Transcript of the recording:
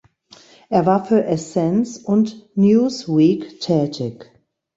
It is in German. Er war für "Essence" und "Newsweek" tätig.